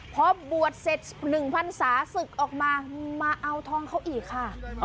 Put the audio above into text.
พอบวชเสร็จ๑พันศาศึกออกมามาเอาทองเขาอีกค่ะ